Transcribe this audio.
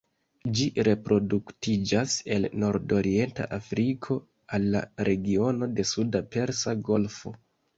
Ĝi reproduktiĝas el nordorienta Afriko al la regiono de suda Persa Golfo.